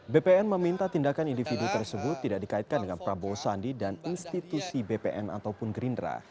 bpn meminta tindakan individu tersebut tidak dikaitkan dengan prabowo sandi dan institusi bpn ataupun gerindra